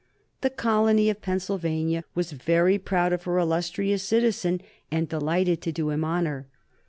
The colony of Pennsylvania was very proud of her illustrious citizen and delighted to do him honor.